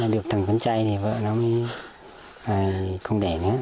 được thằng con trai thì vợ nó mới không đẻ nữa